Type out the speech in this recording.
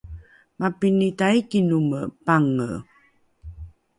Mapini ta iki nome pange?